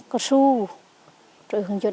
cơ sư rồi hướng dẫn